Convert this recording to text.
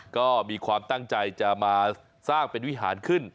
ก็มีความตั้งใจจะมาสร้างเป็นวิหารขึ้น